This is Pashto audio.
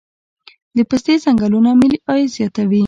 د پستې ځنګلونه ملي عاید زیاتوي.